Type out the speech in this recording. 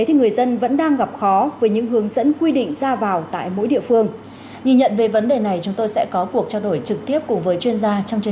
hãy đăng ký kênh để ủng hộ kênh của chúng mình nhé